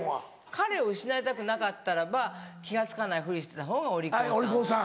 彼を失いたくなかったらば気が付かないふりしてたほうがお利口さん。